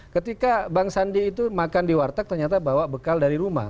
ketika bang sandi itu makan di warteg ternyata bawa bekal dari rumah